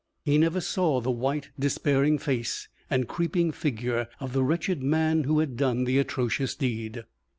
He never saw the white, despairing face and creeping figure of the wretched man who had done the atrocious deed.